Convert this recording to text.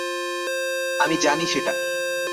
আমি জানি সেটা।